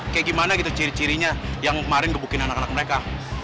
kayak gimana gitu ciri cirinya yang kemarin ngebukin anak anak mereka